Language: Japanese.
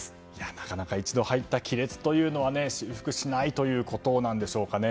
なかなか一度入った亀裂というのは修復しないということなんでしょうかね。